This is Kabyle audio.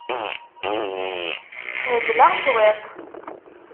Hebleɣ cwiṭ.